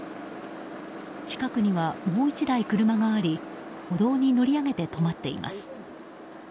近くにはもう１台車があり歩道に乗り上げて止まっています。